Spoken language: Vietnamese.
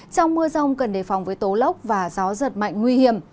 trong mưa rông cần đề phòng với tố lốc và gió giật mạnh